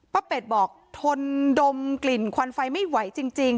เป็ดบอกทนดมกลิ่นควันไฟไม่ไหวจริง